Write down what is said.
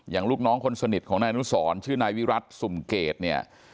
ลูกน้องคนสนิทของนายอนุสรชื่อนายวิรัติสุ่มเกดเนี่ย